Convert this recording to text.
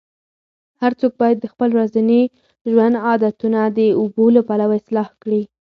هر څوک باید د خپل ورځني ژوند عادتونه د اوبو له پلوه اصلاح کړي.